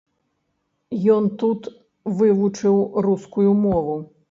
Ён тут вывучыў рускую мову.